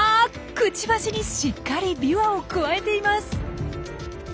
くちばしにしっかりビワをくわえています。